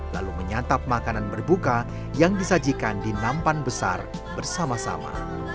lalu menyatap makanan berbuka yang disajikan di nampan besar bersama sama